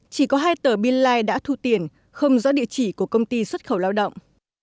chỉ có hai tờ pin line đã thu tiền không rõ địa chỉ của công ty xuất khẩu lao động